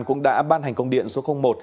cũng đã ban hành công điện số một